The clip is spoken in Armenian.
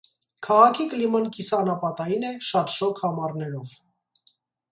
Քաղաքի կլիման կիսանապատային է, շատ շոգ ամառներով։